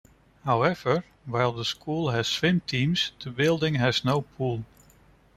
However, while the school has swim teams, the building has no pool.